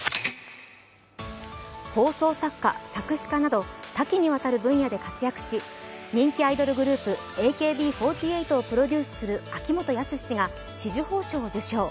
放送作家、作詞家など多岐にわたる分野で活躍し人気アイドルグループ、ＡＫＢ４８をプロデュースする秋元康氏が紫綬褒章を受章。